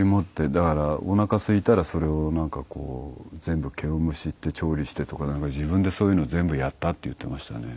だからおなかすいたらそれをなんかこう全部毛をむしって調理してとかなんか自分でそういうのを全部やったって言ってましたね。